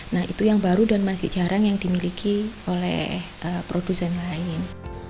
nah itu yang baru dan masih jarang yang dimiliki oleh produsen lain